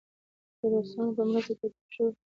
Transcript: د روسانو په مرسته ترتیب شوې وه.